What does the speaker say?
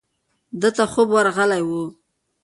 ده ته خوب ورغلی و.